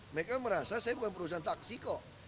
mereka merasa saya bukan perusahaan taksi kok